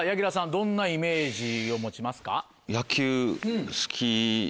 どんなイメージを持ちますか？